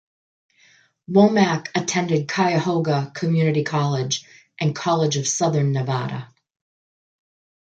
Womack attended Cuyahoga Community College and College of Southern Nevada.